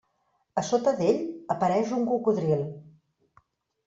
A sota d'ell, apareix un cocodril.